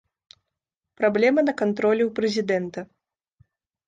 Праблема на кантролі ў прэзідэнта.